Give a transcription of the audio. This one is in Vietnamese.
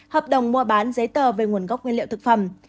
hợp đồng mua bán giấy tờ về nguồn gốc nguyên liệu thực phẩm